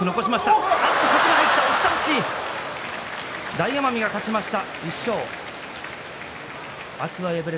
大奄美が勝ちました。